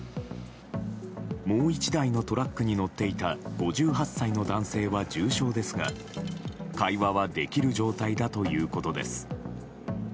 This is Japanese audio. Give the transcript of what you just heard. もう１台のトラックに乗っていた５８歳の男性は重傷ですが会話はできる状態だということです。